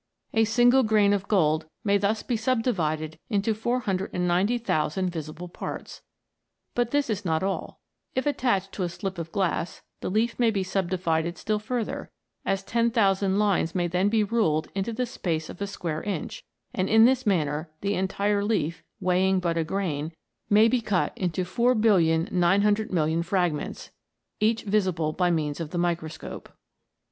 A single grain of gold may thus be subdivided into 490,000 visible parts. But this is not all ; if attached to a slip of glass the leaf may be subdivided still further, as ten thousand lines may then be ruled in the space of a square inch, and in this manner the en tire leaf, weighing but a grain, may be cut into 4,900,000,000 fragments, each visible by meansof the microscope.